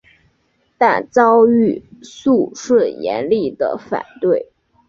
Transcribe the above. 但遭遇肃顺严厉的反对。